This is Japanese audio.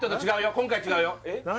今回は違うよ何？